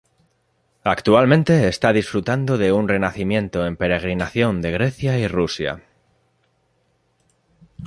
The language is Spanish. Actualmente está disfrutando de un renacimiento en peregrinación de Grecia y Rusia.